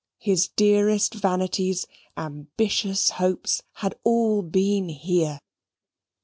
His dearest vanities, ambitious hopes, had all been here.